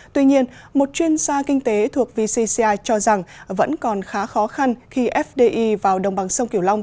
tuy nhiên một chuyên gia kinh tế thuộc vcci cho rằng vẫn còn khá khó khăn khi fdi vào đồng bằng sông kiểu long